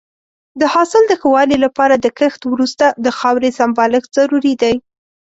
د حاصل د ښه والي لپاره د کښت وروسته د خاورې سمبالښت ضروري دی.